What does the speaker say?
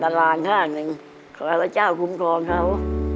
มาลางข้างหนึ่งขอให้พระเจ้าคุ้มครองเขา